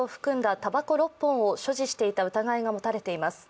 たばこ６本を所持していた疑いが持たれています。